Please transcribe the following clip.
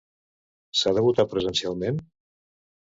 S'ha de votar presencialment?